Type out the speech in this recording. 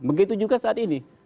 begitu juga saat ini